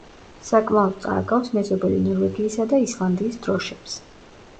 საკმაოდ წააგავს მეზობელი ნორვეგიისა და ისლანდიის დროშებს.